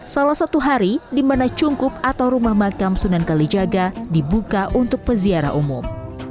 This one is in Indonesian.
salah satu hari di mana cungkup atau rumah makam sunan kalijaga dibuka untuk peziarah umum